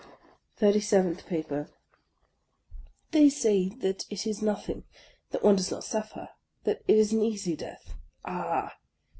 THIRTY SEVENTH PAPER THEY say that it is nothing, — that one does not suffer ; that it is an easy death. Ah!